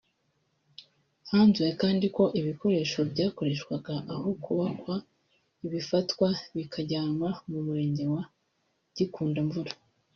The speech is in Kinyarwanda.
Hanzuwe kandi ko ibikoresho byakoreshwaga aho hubakwaga bifatwa bikajyanwa ku Murenge wa Gikundamvura